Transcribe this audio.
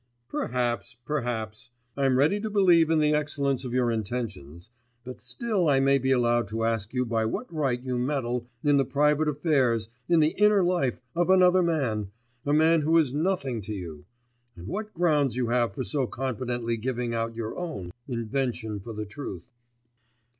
'Perhaps, perhaps. I'm ready to believe in the excellence of your intentions; but still I may be allowed to ask you by what right you meddle in the private affairs, in the inner life, of another man, a man who is nothing to you; and what grounds you have for so confidently giving out your own ... invention for the truth?